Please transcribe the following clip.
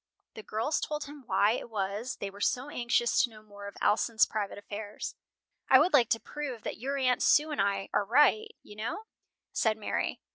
The girls told him why it was they were so anxious to know more of Alson's private affairs. "I would like to prove that your Aunt Sue and I are right, you know," said Mary.